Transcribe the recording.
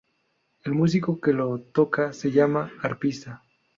El músico que lo toca se llama arpista.